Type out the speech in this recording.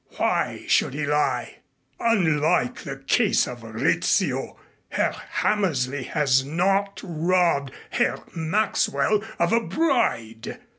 Why should he lie? Unlike the case of Rizzio, Herr Hammersley has not robbed Herr Maxwell of a bride."